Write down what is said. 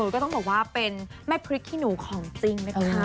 ก็ต้องบอกว่าเป็นแม่พริกขี้หนูของจริงนะคะ